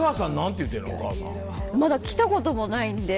まだ来たこともないんで。